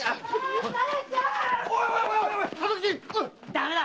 ダメだ。